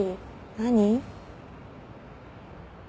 何？